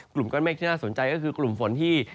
กลุ่มก้อนเมฆที่น่าสนใจก็คือกลุ่มฝนที่